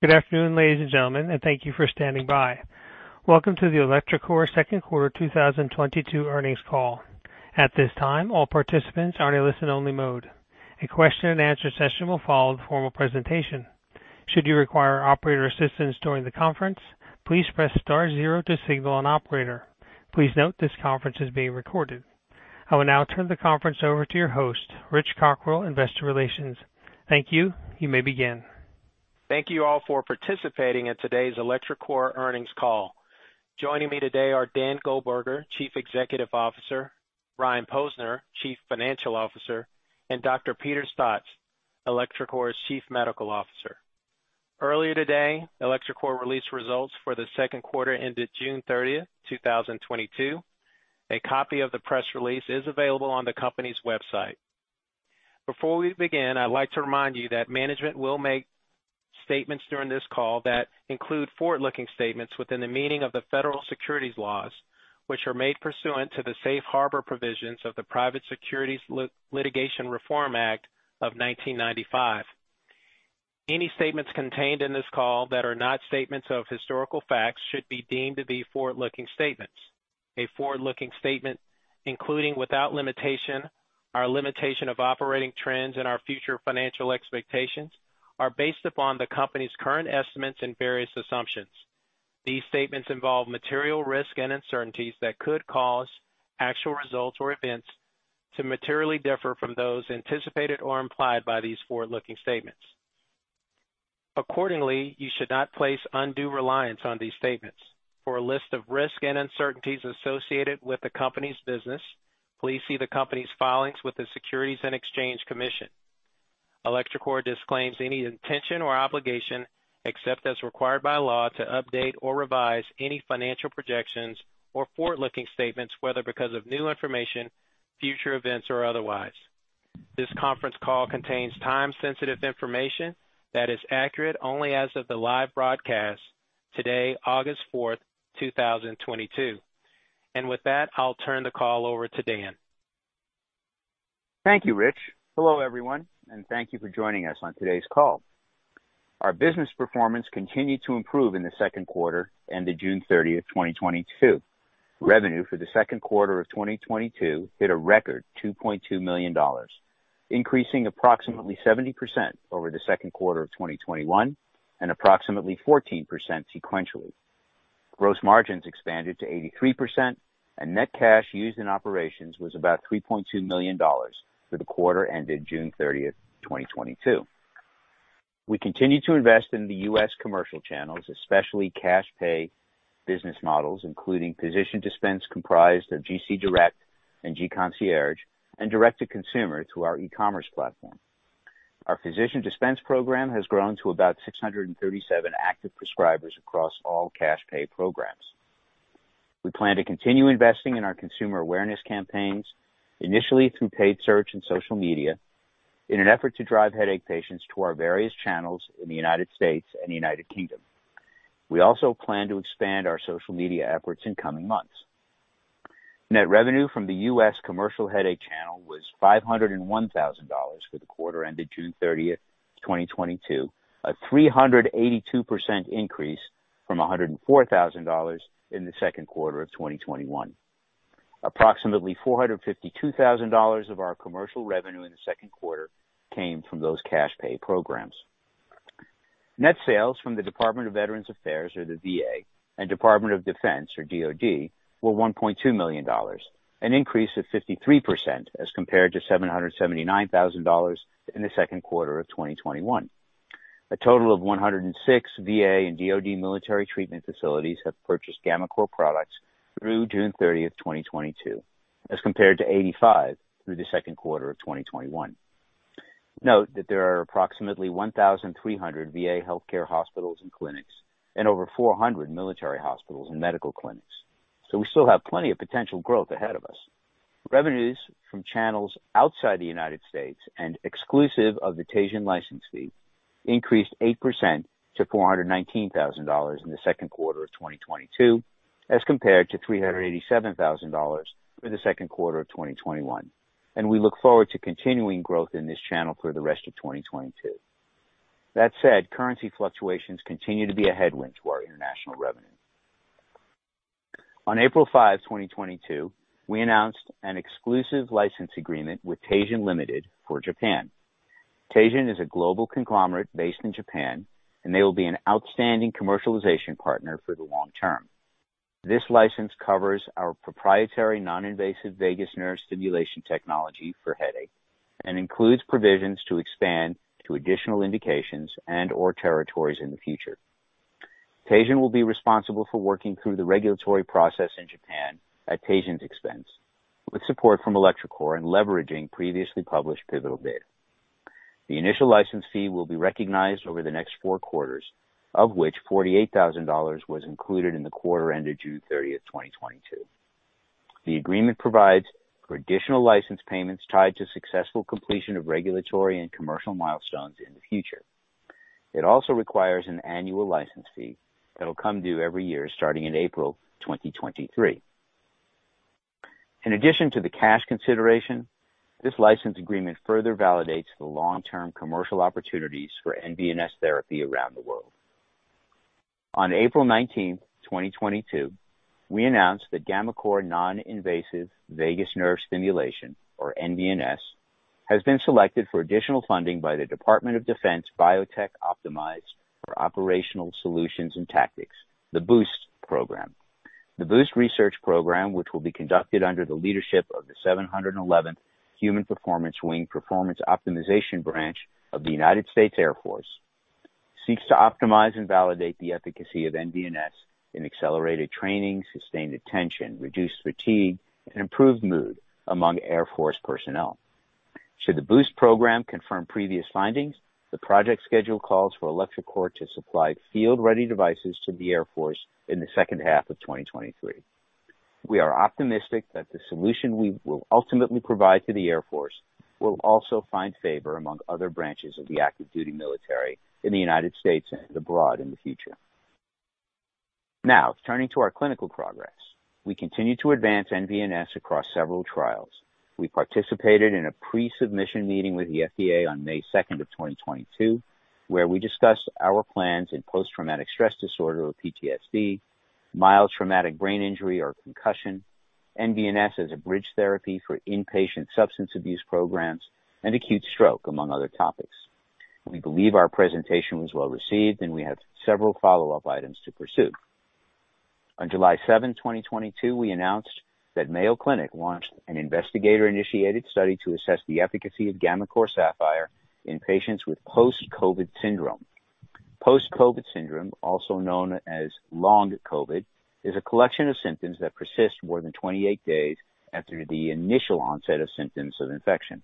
Good afternoon, ladies and gentlemen, and thank you for standing by. Welcome to the electroCore Second Quarter 2022 earnings call. At this time, all participants are in a listen-only mode. A question-and-answer session will follow the formal presentation. Should you require operator assistance during the conference, please press star zero to signal an operator. Please note this conference is being recorded. I will now turn the conference over to your host, Rich Cockrell, Investor Relations. Thank you. You may begin. Thank you all for participating in today's electroCore earnings call. Joining me today are Dan Goldberger, Chief Executive Officer, Brian Posner, Chief Financial Officer, and Dr. Peter Staats, electroCore's Chief Medical Officer. Earlier today, electroCore released results for the second quarter ended June 30th, 2022. A copy of the press release is available on the company's website. Before we begin, I'd like to remind you that management will make statements during this call that include forward-looking statements within the meaning of the federal securities laws, which are made pursuant to the Safe Harbor provisions of the Private Securities Litigation Reform Act of 1995. Any statements contained in this call that are not statements of historical facts should be deemed to be forward-looking statements. Forward-looking statement, including without limitation, our limitation of operating trends and our future financial expectations, are based upon the company's current estimates and various assumptions. These statements involve material risk and uncertainties that could cause actual results or events to materially differ from those anticipated or implied by these forward-looking statements. Accordingly, you should not place undue reliance on these statements. For a list of risks and uncertainties associated with the company's business, please see the company's filings with the Securities and Exchange Commission. electroCore disclaims any intention or obligation, except as required by law, to update or revise any financial projections or forward-looking statements, whether because of new information, future events, or otherwise. This conference call contains time-sensitive information that is accurate only as of the live broadcast today, August 4, 2022. With that, I'll turn the call over to Dan. Thank you, Rich. Hello, everyone, and thank you for joining us on today's call. Our business performance continued to improve in the second quarter ended June 30th, 2022. Revenue for the second quarter of 2022 hit a record $2.2 million, increasing approximately 70% over the second quarter of 2021 and approximately 14% sequentially. Gross margins expanded to 83% and net cash used in operations was about $3.2 million for the quarter ended June 30th, 2022. We continue to invest in the U.S. commercial channels, especially cash pay business models, including physician dispense, comprised of gC Direct and gConcierge, and Direct-to-Consumer through our e-commerce platform. Our physician dispense program has grown to about 637 active prescribers across all cash pay programs. We plan to continue investing in our consumer awareness campaigns, initially through paid search and social media, in an effort to drive headache patients to our various channels in the United States and United Kingdom. We also plan to expand our social media efforts in coming months. Net revenue from the U.S. commercial headache channel was $501,000 for the quarter ended June 30th, 2022, a 382% increase from $104,000 in the second quarter of 2021. Approximately $452,000 of our commercial revenue in the second quarter came from those cash pay programs. Net sales from the Department of Veterans Affairs, or the VA, and Department of Defense, or DoD, were $1.2 million, an increase of 53% as compared to $779,000 in the second quarter of 2021. A total of 106 VA and DoD military treatment facilities have purchased gammaCore products through June 30th, 2022, as compared to 85 through the second quarter of 2021. Note that there are approximately 1,300 VA healthcare hospitals and clinics and over 400 military hospitals and medical clinics, so we still have plenty of potential growth ahead of us. Revenues from channels outside the United States and exclusive of the Teijin license fee increased 8% to $419,000 in the second quarter of 2022, as compared to $387,000 for the second quarter of 2021. We look forward to continuing growth in this channel through the rest of 2022. That said, currency fluctuations continue to be a headwind to our international revenue. On April 5, 2022, we announced an exclusive license agreement with Teijin Limited for Japan. Teijin is a global conglomerate based in Japan, and they will be an outstanding commercialization partner for the long term. This license covers our proprietary non-invasive vagus nerve stimulation technology for headache and includes provisions to expand to additional indications and/or territories in the future. Teijin will be responsible for working through the regulatory process in Japan at Teijin's expense, with support from electroCore and leveraging previously published pivotal data. The initial license fee will be recognized over the next four quarters, of which $48,000 was included in the quarter ended June 30th, 2022. The agreement provides for additional license payments tied to successful completion of regulatory and commercial milestones in the future. It also requires an annual license fee that'll come due every year starting in April 2023. In addition to the cash consideration, this license agreement further validates the long-term commercial opportunities for nVNS therapy around the world. On April 19, 2022, we announced that gammaCore non-invasive vagus nerve stimulation, or nVNS, has been selected for additional funding by the Department of Defense Biotech Optimized for Operational Solutions and Tactics, the BOOST program. The BOOST research program, which will be conducted under the leadership of the 711th Human Performance Wing Performance Optimization Branch of the United States Air Force, seeks to optimize and validate the efficacy of nVNS in accelerated training, sustained attention, reduced fatigue, and improved mood among Air Force personnel. Should the BOOST program confirm previous findings, the project schedule calls for electroCore to supply field-ready devices to the Air Force in the second half of 2023. We are optimistic that the solution we will ultimately provide to the Air Force will also find favor among other branches of the active duty military in the United States and abroad in the future. Now, turning to our clinical progress. We continue to advance nVNS across several trials. We participated in a pre-submission meeting with the FDA on May second of 2022, where we discussed our plans in post-traumatic stress disorder, or PTSD, mild traumatic brain injury or concussion, nVNS as a bridge therapy for inpatient substance abuse programs, and acute stroke, among other topics. We believe our presentation was well received, and we have several follow-up items to pursue. On July 7th, 2022, we announced that Mayo Clinic launched an investigator-initiated study to assess the efficacy of gammaCore Sapphire in patients with post-COVID syndrome. Post-COVID syndrome, also known as long COVID, is a collection of symptoms that persist more than 28 days after the initial onset of symptoms of infection.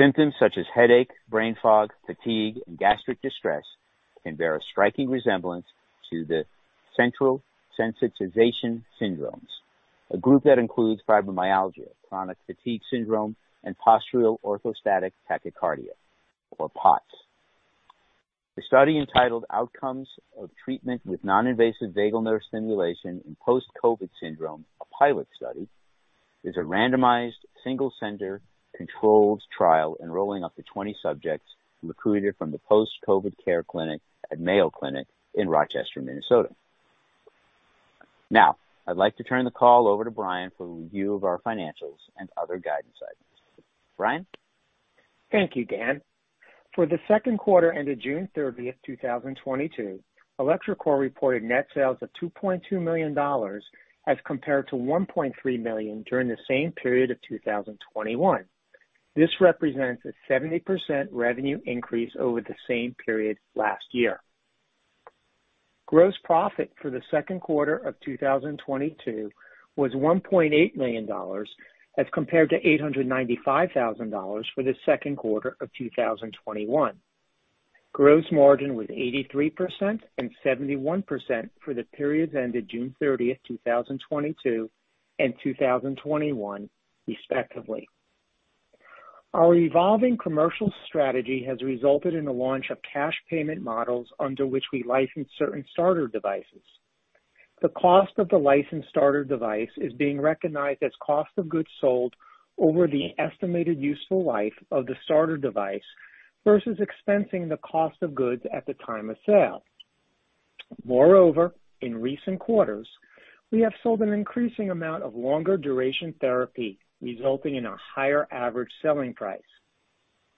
Symptoms such as headache, brain fog, fatigue, and gastric distress can bear a striking resemblance to the central sensitization syndromes, a group that includes fibromyalgia, chronic fatigue syndrome, and postural orthostatic tachycardia, or POTS. The study, entitled Outcomes of Treatment with Non-Invasive Vagus Nerve Stimulation in Post-COVID Syndrome: A Pilot Study, is a randomized, single-center controlled trial enrolling up to 20 subjects recruited from the post-COVID care clinic at Mayo Clinic in Rochester, Minnesota. Now, I'd like to turn the call over to Brian for a review of our financials and other guidance items. Brian. Thank you, Dan. For the second quarter ended June 30th, 2022, electroCore reported net sales of $2.2 million as compared to $1.3 million during the same period of 2021. This represents a 70% revenue increase over the same period last year. Gross profit for the second quarter of 2022 was $1.8 million as compared to $895,000 for the second quarter of 2021. Gross margin was 83% and 71% for the periods ended June 30th, 2022 and 2021, respectively. Our evolving commercial strategy has resulted in the launch of cash payment models under which we license certain starter devices. The cost of the licensed starter device is being recognized as cost of goods sold over the estimated useful life of the starter device versus expensing the cost of goods at the time of sale. Moreover, in recent quarters, we have sold an increasing amount of longer duration therapy, resulting in a higher average selling price.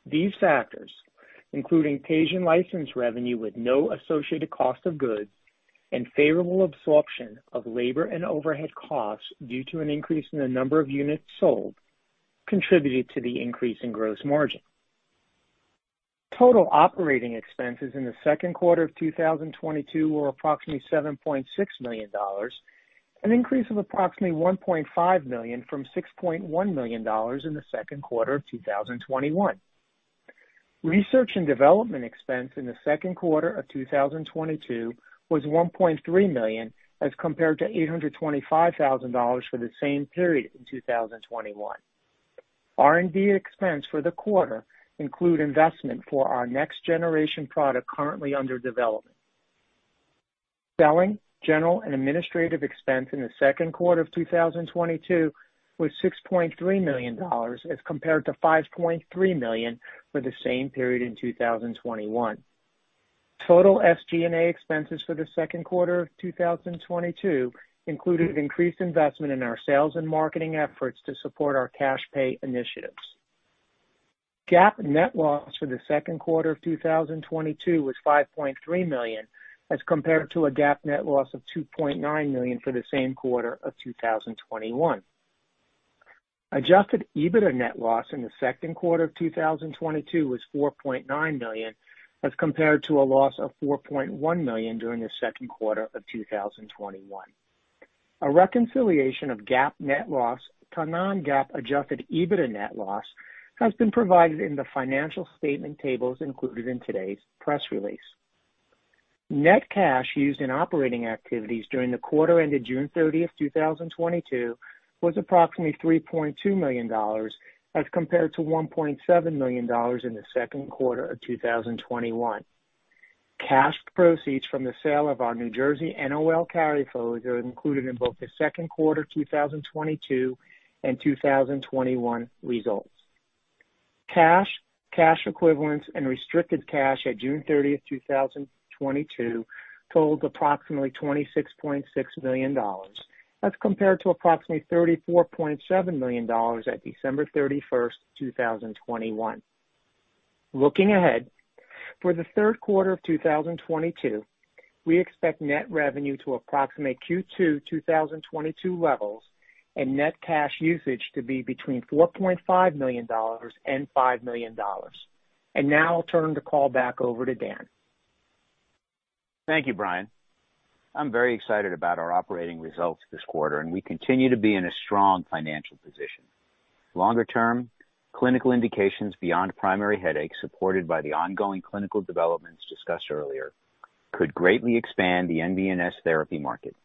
These factors, including patient license revenue with no associated cost of goods and favorable absorption of labor and overhead costs due to an increase in the number of units sold, contributed to the increase in gross margin. Total operating expenses in the second quarter of 2022 were approximately $7.6 million, an increase of approximately $1.5 million from $6.1 million in the second quarter of 2021. Research and development expense in the second quarter of 2022 was $1.3 million as compared to $825,000 for the same period in 2021. R&D expense for the quarter include investment for our next generation product currently under development. Selling, general, and administrative expense in the second quarter of 2022 was $6.3 million as compared to $5.3 million for the same period in 2021. Total SG&A expenses for the second quarter of 2022 included increased investment in our sales and marketing efforts to support our cash pay initiatives. GAAP net loss for the second quarter of 2022 was $5.3 million as compared to a GAAP net loss of $2.9 million for the same quarter of 2021. Adjusted EBITDA net loss in the second quarter of 2022 was $4.9 million as compared to a loss of $4.1 million during the second quarter of 2021. A reconciliation of GAAP net loss to non-GAAP adjusted EBITDA net loss has been provided in the financial statement tables included in today's press release. Net cash used in operating activities during the quarter ended June 30th, 2022 was approximately $3.2 million as compared to $1.7 million in the second quarter of 2021. Cash proceeds from the sale of our New Jersey NOL carryforwards are included in both the second quarter 2022 and 2021 results. Cash, cash equivalents and restricted cash at June 30th, 2022 totaled approximately $26.6 million. That's compared to approximately $34.7 million at December 31st, 2021. Looking ahead, for the third quarter of 2022, we expect net revenue to approximate Q2 2022 levels and net cash usage to be between $4.5 million and $5 million. Now I'll turn the call back over to Dan. Thank you, Brian. I'm very excited about our operating results this quarter, and we continue to be in a strong financial position. Longer term, clinical indications beyond primary headaches, supported by the ongoing clinical developments discussed earlier, could greatly expand the nVNS therapy market.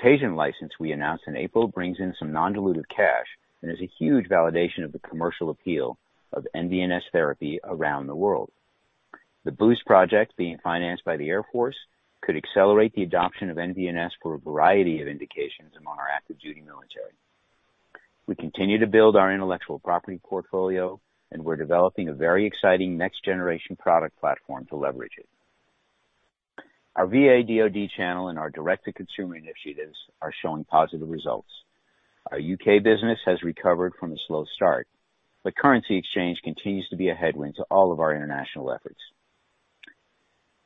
Patent license we announced in April brings in some non-dilutive cash and is a huge validation of the commercial appeal of nVNS therapy around the world. The BOOST project being financed by the Air Force could accelerate the adoption of nVNS for a variety of indications among our active duty military. We continue to build our intellectual property portfolio, and we're developing a very exciting next generation product platform to leverage it. Our VA/DoD channel and our Direct-to-Consumer initiatives are showing positive results. Our U.K. business has recovered from a slow start, but currency exchange continues to be a headwind to all of our international efforts.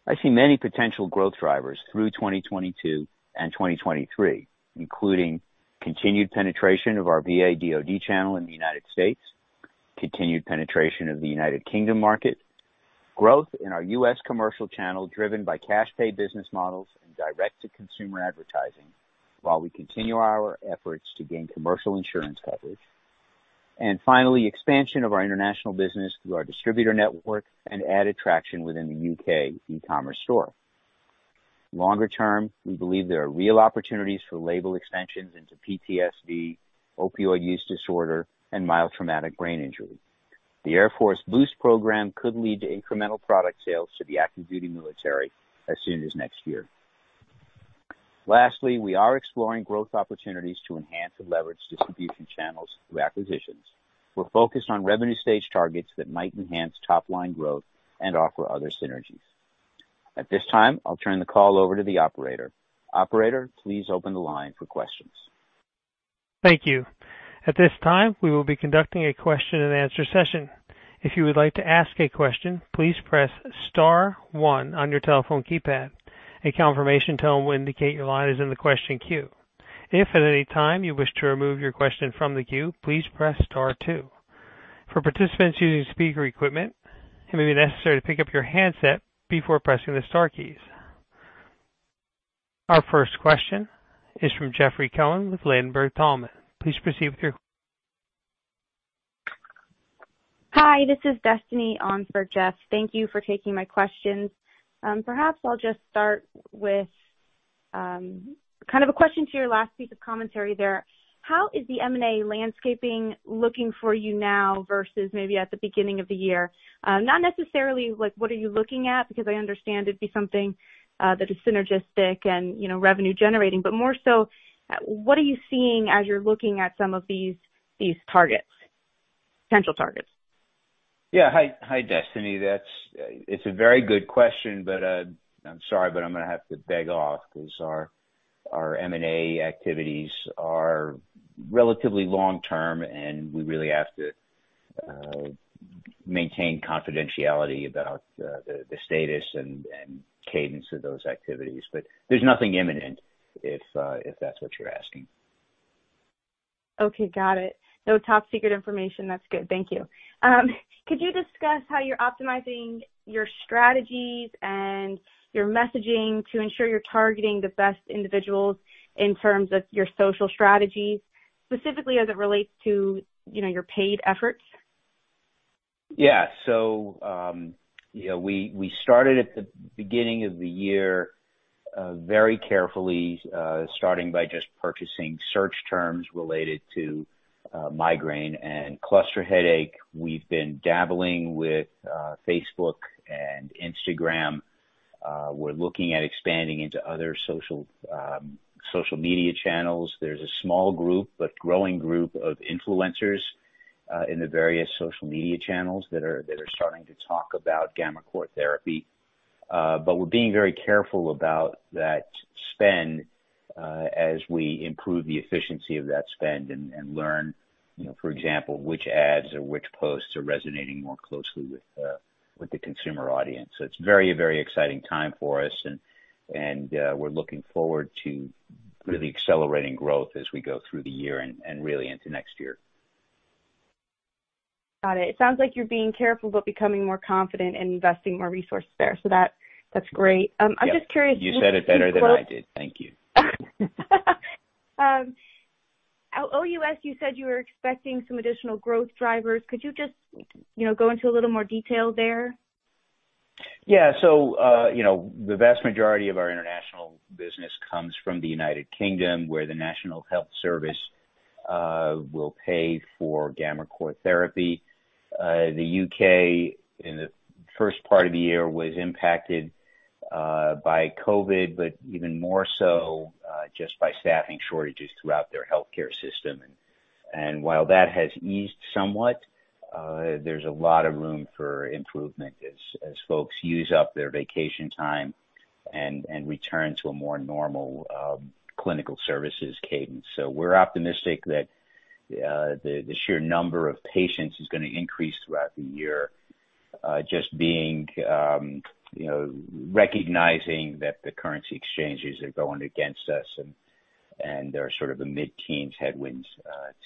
I see many potential growth drivers through 2022 and 2023, including continued penetration of our VA/DoD channel in the United States, continued penetration of the United Kingdom market, growth in our U.S. commercial channel driven by cash pay business models and direct to consumer advertising while we continue our efforts to gain commercial insurance coverage. Finally, expansion of our international business through our distributor network and added traction within the U.K. e-commerce store. Longer term, we believe there are real opportunities for label extensions into PTSD, opioid use disorder, and mild traumatic brain injury. The Air Force BOOST program could lead to incremental product sales to the active duty military as soon as next year. Lastly, we are exploring growth opportunities to enhance and leverage distribution channels through acquisitions. We're focused on revenue stage targets that might enhance top line growth and offer other synergies. At this time, I'll turn the call over to the operator. Operator, please open the line for questions. Thank you. At this time, we will be conducting a question and answer session. If you would like to ask a question, please press star one on your telephone keypad. A confirmation tone will indicate your line is in the question queue. If at any time you wish to remove your question from the queue, please press star two. For participants using speaker equipment, it may be necessary to pick up your handset before pressing the star keys. Our first question is from Jeffrey Cohen with Ladenburg Thalmann. Please proceed with your question. Hi, this is Destiny on for Jeff. Thank you for taking my questions. Perhaps I'll just start with kind of a question to your last piece of commentary there. How is the M&A landscape looking for you now versus maybe at the beginning of the year? Not necessarily like what are you looking at, because I understand it'd be something that is synergistic and, you know, revenue generating, but more so, what are you seeing as you're looking at some of these targets, potential targets? Yeah. Hi, Destiny. It's a very good question, but I'm sorry, but I'm gonna have to beg off because our M&A activities are relatively long-term, and we really have to maintain confidentiality about the status and cadence of those activities. There's nothing imminent if that's what you're asking. Okay, got it. No top secret information. That's good. Thank you. Could you discuss how you're optimizing your strategies and your messaging to ensure you're targeting the best individuals in terms of your social strategies, specifically as it relates to, you know, your paid efforts? Yeah. We started at the beginning of the year very carefully, starting by just purchasing search terms related to migraine and cluster headache. We've been dabbling with Facebook and Instagram. We're looking at expanding into other social media channels. There's a small group but growing group of influencers in the various social media channels that are starting to talk about gammaCore therapy. But we're being very careful about that spend as we improve the efficiency of that spend and learn, you know, for example, which ads or which posts are resonating more closely with the consumer audience. It's a very exciting time for us and we're looking forward to really accelerating growth as we go through the year and really into next year. Got it. It sounds like you're being careful but becoming more confident and investing more resources there. That's great. I'm just curious. You said it better than I did. Thank you. OUS, you said you were expecting some additional growth drivers. Could you just, you know, go into a little more detail there? Yeah, you know, the vast majority of our international business comes from the United Kingdom, where the National Health Service will pay for gammaCore therapy. The U.K. in the first part of the year was impacted by COVID, but even more so just by staffing shortages throughout their healthcare system. While that has eased somewhat, there's a lot of room for improvement as folks use up their vacation time and return to a more normal clinical services cadence. We're optimistic that the sheer number of patients is gonna increase throughout the year. Just being, you know, recognizing that the currency exchanges are going against us and there are sort of the mid-teens headwinds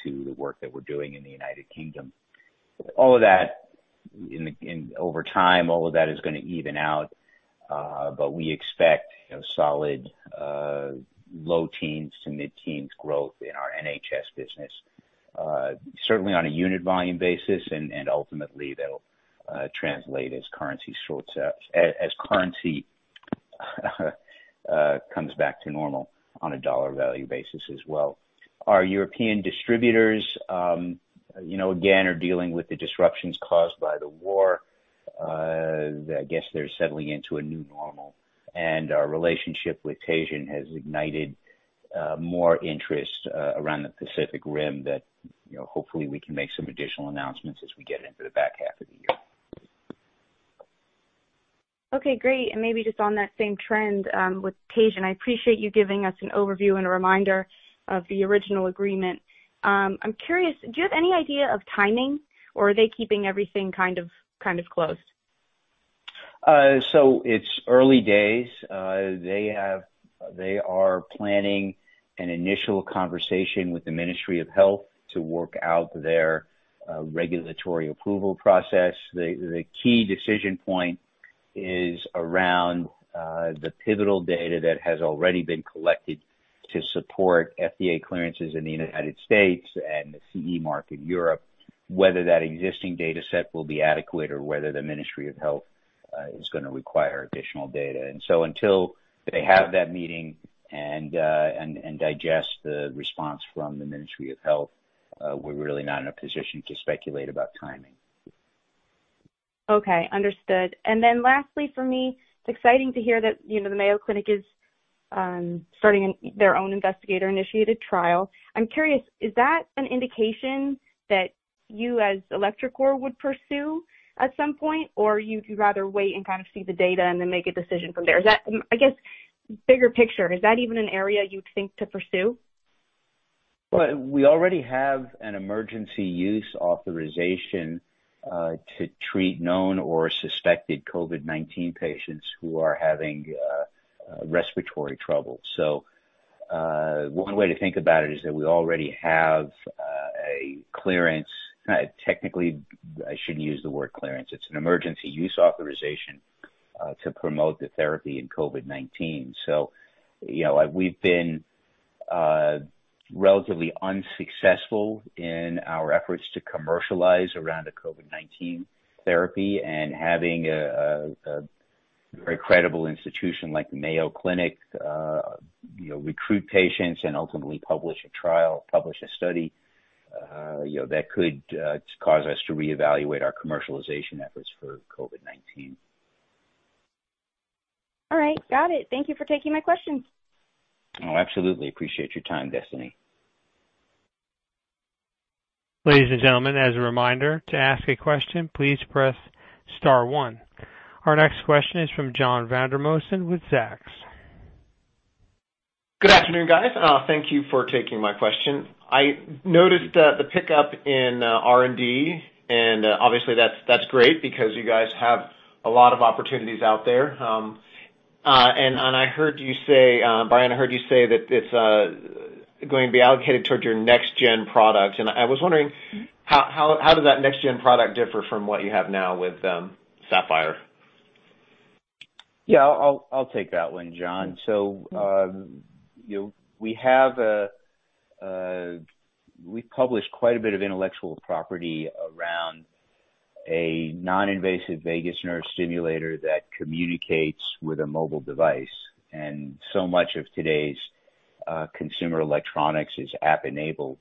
to the work that we're doing in the United Kingdom. All of that in over time is gonna even out. We expect, you know, solid low teens to mid-teens growth in our NHS business, certainly on a unit volume basis. Ultimately that'll translate as currency comes back to normal on a dollar value basis as well. Our European distributors, you know, again, are dealing with the disruptions caused by the war. I guess they're settling into a new normal, and our relationship with Teijin has ignited more interest around the Pacific Rim that, you know, hopefully we can make some additional announcements as we get into the back half of the year. Okay, great. Maybe just on that same trend, with Teijin, I appreciate you giving us an overview and a reminder of the original agreement. I'm curious, do you have any idea of timing or are they keeping everything kind of closed? It's early days. They are planning an initial conversation with the Ministry of Health to work out their regulatory approval process. The key decision point is around the pivotal data that has already been collected to support FDA clearances in the United States and the CE mark in Europe, whether that existing dataset will be adequate or whether the Ministry of Health is gonna require additional data. Until they have that meeting and digest the response from the Ministry of Health, we're really not in a position to speculate about timing. Okay, understood. Then lastly for me, it's exciting to hear that, you know, the Mayo Clinic is starting their own investigator-initiated trial. I'm curious, is that an indication that you as electroCore would pursue at some point, or you'd rather wait and kind of see the data and then make a decision from there? Is that, I guess, bigger picture, is that even an area you'd think to pursue? Well, we already have an emergency use authorization to treat known or suspected COVID-19 patients who are having respiratory trouble. One way to think about it is that we already have a clearance. Technically I shouldn't use the word clearance. It's an emergency use authorization to promote the therapy in COVID-19. You know, we've been relatively unsuccessful in our efforts to commercialize around a COVID-19 therapy and having a very credible institution like the Mayo Clinic, you know, recruit patients and ultimately publish a trial, publish a study, you know, that could cause us to reevaluate our commercialization efforts for COVID-19. All right. Got it. Thank you for taking my questions. Oh, absolutely. Appreciate your time, Destiny. Ladies and gentlemen, as a reminder, to ask a question, please press star one. Our next question is from John Vandermosten with Zacks. Good afternoon, guys. Thank you for taking my question. I noticed the pickup in R&D, and obviously that's great because you guys have a lot of opportunities out there. I heard you say, Brian, that it's going to be allocated towards your next gen product. I was wondering how does that next gen product differ from what you have now with Sapphire? Yeah, I'll take that one, John. You know, we've published quite a bit of intellectual property around a non-invasive vagus nerve stimulator that communicates with a mobile device. Much of today's consumer electronics is app enabled.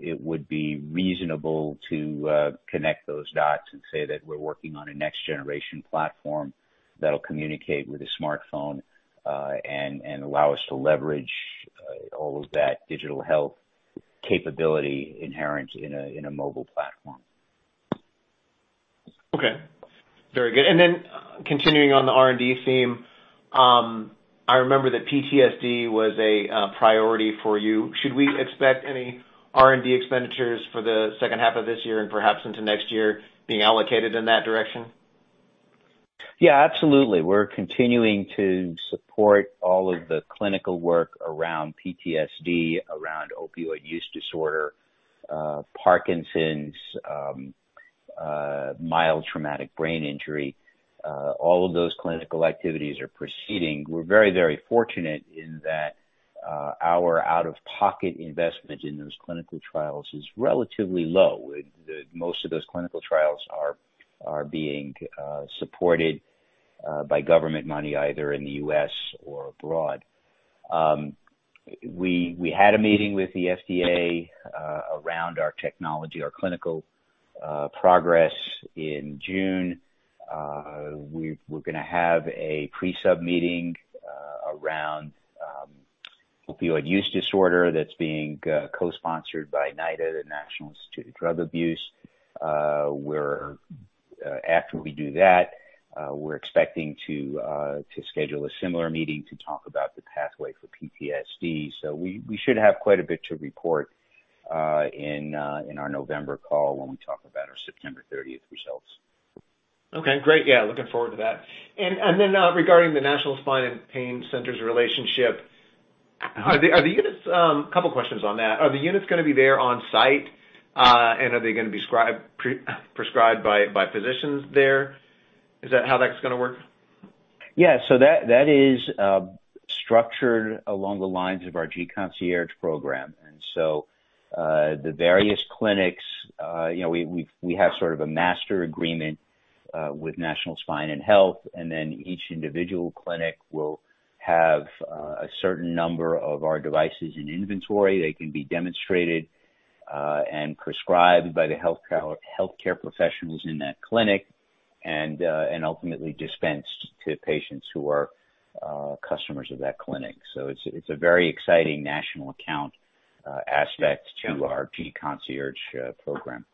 It would be reasonable to connect those dots and say that we're working on a next generation platform that'll communicate with a smartphone, and allow us to leverage all of that digital health capability inherent in a mobile platform. Okay. Very good. Continuing on the R&D theme, I remember that PTSD was a priority for you. Should we expect any R&D expenditures for the second half of this year and perhaps into next year being allocated in that direction? Yeah, absolutely. We're continuing to support all of the clinical work around PTSD, around opioid use disorder, Parkinson's, mild traumatic brain injury. All of those clinical activities are proceeding. We're very, very fortunate in that, our out-of-pocket investment in those clinical trials is relatively low. The most of those clinical trials are being supported by government money, either in the U.S. or abroad. We had a meeting with the FDA around our technology, our clinical progress in June. We're gonna have a pre-sub meeting around opioid use disorder that's being co-sponsored by NIDA, the National Institute on Drug Abuse. After we do that, we're expecting to schedule a similar meeting to talk about the pathway for PTSD. We should have quite a bit to report in our November call when we talk about our September 30th results. Okay, great. Yeah, looking forward to that. Regarding the National Spine & Pain Centers' relationship, are the units. Couple questions on that. Are the units gonna be there on site, and are they gonna be pre-prescribed by physicians there? Is that how that's gonna work? Yeah. That is structured along the lines of our gConcierge program. The various clinics, you know, we have sort of a master agreement with National Spine & Pain Centers, and then each individual clinic will have a certain number of our devices in inventory. They can be demonstrated and prescribed by the healthcare professionals in that clinic and ultimately dispensed to patients who are customers of that clinic. It's a very exciting national account aspect to our gConcierge program.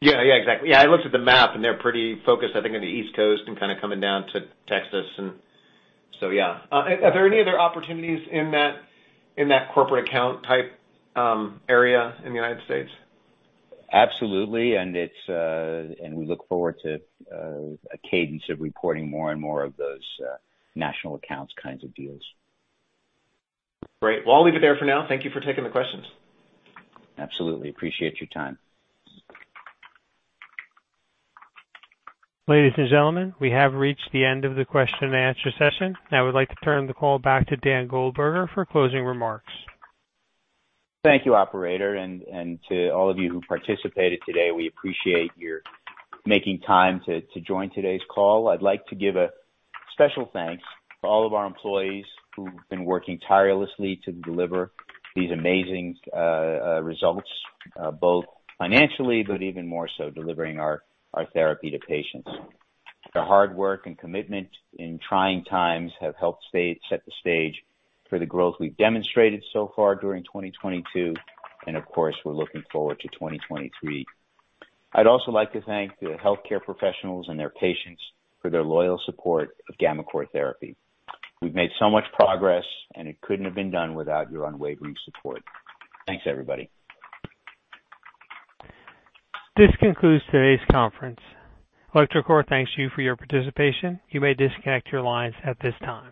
Yeah. Yeah, exactly. Yeah, I looked at the map, and they're pretty focused, I think, on the East Coast and kinda coming down to Texas. Yeah. Are there any other opportunities in that corporate account type area in the United States? Absolutely. We look forward to a cadence of reporting more and more of those national accounts kinds of deals. Great. Well, I'll leave it there for now. Thank you for taking the questions. Absolutely. Appreciate your time. Ladies and gentlemen, we have reached the end of the question and answer session. I would like to turn the call back to Dan Goldberger for closing remarks. Thank you, operator, and to all of you who participated today. We appreciate your making time to join today's call. I'd like to give a special thanks to all of our employees who've been working tirelessly to deliver these amazing results, both financially but even more so delivering our therapy to patients. Their hard work and commitment in trying times have helped set the stage for the growth we've demonstrated so far during 2022, and of course, we're looking forward to 2023. I'd also like to thank the healthcare professionals and their patients for their loyal support of gammaCore therapy. We've made so much progress, and it couldn't have been done without your unwavering support. Thanks, everybody. This concludes today's conference. electroCore thanks you for your participation. You may disconnect your lines at this time.